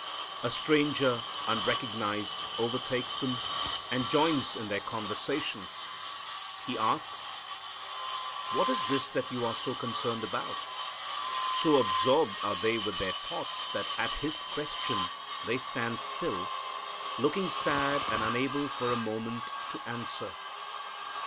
A Stranger, unrecognized, overtakes them and joins in their conversation. He asks, "What is this that you are so concerned about?" So absorbed are they with their thoughts, that at His question they stand still, looking sad and unable for a moment to answer.